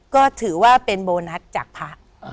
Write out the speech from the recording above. ก็ถือว่าเป็นโบนัสจากพระ